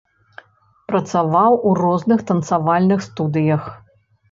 Працаваў у розных танцавальных студыях.